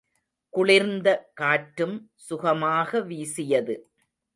குளிர்ந்த காற்றும் சுகமாக வீசியது.